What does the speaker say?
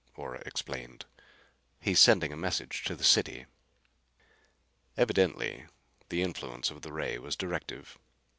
Ora explained. "He's sending a message to the city." Evidently the influence of the ray was directive.